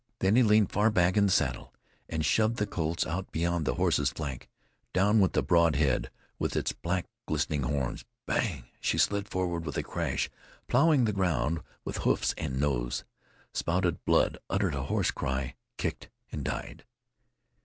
Then he leaned far back in the saddle, and shoved the Colts out beyond the horse's flank. Down went the broad head, with its black, glistening horns. Bang! She slid forward with a crash, plowing the ground with hoofs and nose spouted blood, uttered a hoarse cry, kicked and died.